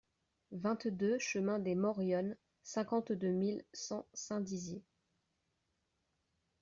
vingt-deux chemin des Morionnes, cinquante-deux mille cent Saint-Dizier